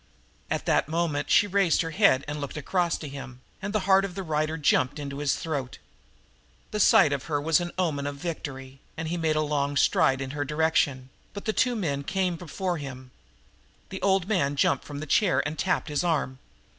At that moment she raised her head and looked across to him, and the heart of the rider jumped into his throat. The very sight of her was an omen of victory, and he made a long stride in her direction, but two men came before him. The old fellow jumped from the chair and tapped his arm.